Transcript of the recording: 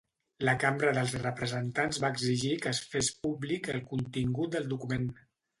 La Cambra dels Representants va exigir que es fes públic el contingut del document.